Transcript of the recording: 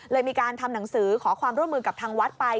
มีการทำหนังสือขอความร่วมมือกับทางวัดไป